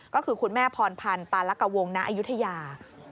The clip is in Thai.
ก็คือคุณแม่พรพันธ์ปาลักวงณอายุทยา